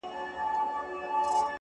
رانه هېريږي نه خيالونه هېرولاى نه ســم،